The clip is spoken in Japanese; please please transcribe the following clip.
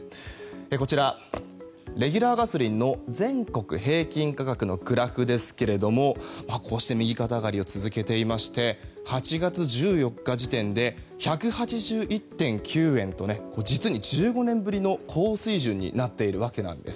こちら、レギュラーガソリンの全国平均価格のグラフですけども右肩上がりを続けていまして８月１４日時点で１８１．９円と実に１５年ぶりの高水準になっているわけです。